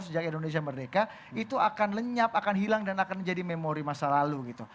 sejak indonesia merdeka itu akan lenyap akan hilang dan akan menjadi memori masa lalu gitu